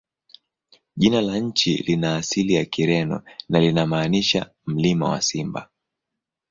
Jina la nchi lina asili ya Kireno na linamaanisha "Mlima wa Simba".